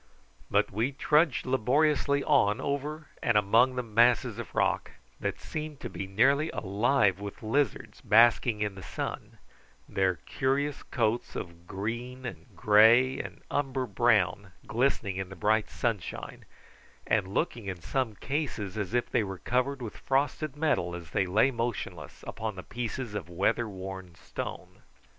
But we trudged laboriously on over and among masses of rock, that seemed to be nearly alive with lizards basking in the sun, their curious coats of green and grey and umber brown glistening in the bright sunshine, and looking in some cases as if they were covered with frosted metal as they lay motionless upon the pieces of weatherworn stone.